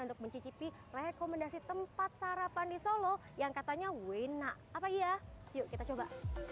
untuk mencicipi rekomendasi tempat sarapan di solo yang katanya wena apa iya yuk kita coba